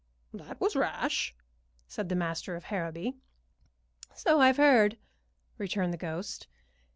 "That was rash," said the master of Harrowby. "So I've heard," returned the ghost.